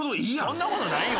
そんなことないよ。